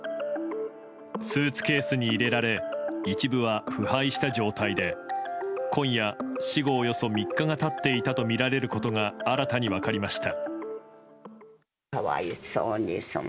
スーツケースに入れられ一部は腐敗した状態で今夜、死後およそ３日が経っていたとみられることが新たに分かりました。